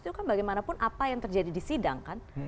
itu kan bagaimanapun apa yang terjadi di sidang kan